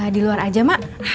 di luar aja ma